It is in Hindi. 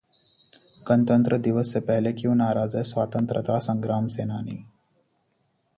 गणतंत्र दिवस से पहले क्यों नाराज हैं स्वतंत्रता संग्राम सेनानी